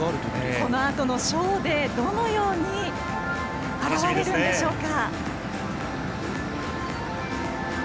このあとのショーでどのように表れるんでしょうか。